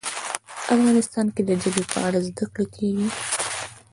افغانستان کې د ژبې په اړه زده کړه کېږي.